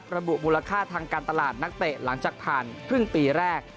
ระบุมูลค่าทางการตลาดนักเตะหลังจากผ่านครึ่งปีแรก